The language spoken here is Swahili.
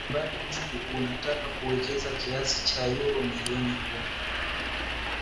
Mradi huu unataka kuwekeza kiasi ya euro milioni kumi